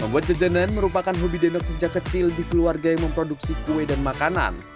membuat jajanan merupakan hobi dendok sejak kecil di keluarga yang memproduksi kue dan makanan